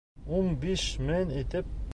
Ун биш мең итеп.